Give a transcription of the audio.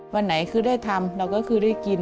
วันไหนคือได้ทำเราก็คือได้กิน